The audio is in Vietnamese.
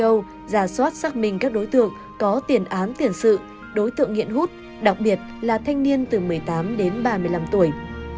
công an huyện quỷ châu giả soát xác minh các đối tượng có tiền án tiền sự đối tượng nghiện hút đặc biệt là thanh niên từ một mươi tám đến ba mươi năm tuổi